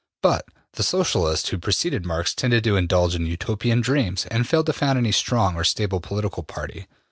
But the Socialists who preceded Marx tended to indulge in Utopian dreams and failed to found any strong or stable political party.